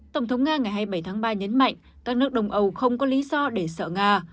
tổng thống nga ngày hai mươi bảy tháng ba nhấn mạnh các nước đông âu không có lý do để sợ nga